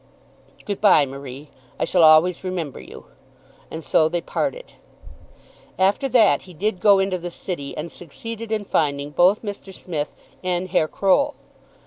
"Good bye, Marie. I shall always remember you." And so they parted. After that he did go into the City, and succeeded in finding both Mr. Smith and Herr Croll.